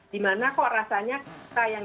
di mana kok rasanya kita yang